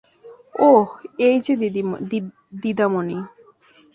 ওহ, এই যে দীদামণি।